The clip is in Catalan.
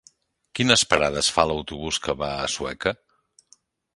Quines parades fa l'autobús que va a Sueca?